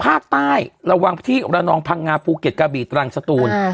ภาพใต้ระวังพระที่ระนองพังงาภูเกียร์กาบีตรังชะตูนอ่า